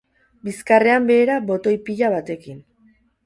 Bizkarrean behera botoi pila batekin.